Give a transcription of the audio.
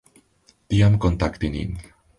Tiam kontakti nin.